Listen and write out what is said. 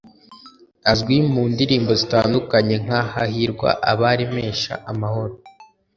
Azwi mu ndirimbo zitandukanye nka ’Hahirwa abaremesha amahoro’